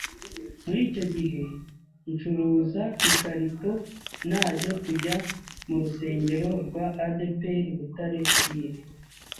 Muri icyo gihe nshuruza ikarito , naje kujya mu Rusengero rwa ADEPR Butare Ville